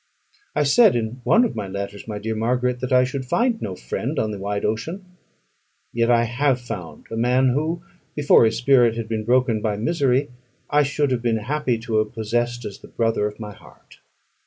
I said in one of my letters, my dear Margaret, that I should find no friend on the wide ocean; yet I have found a man who, before his spirit had been broken by misery, I should have been happy to have possessed as the brother of my heart.